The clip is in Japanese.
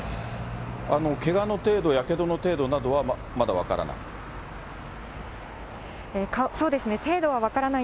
けがの程度、やけどの程度などはまだ分からない？